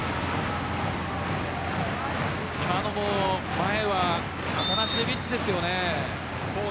前はアタナシエビッチですよね。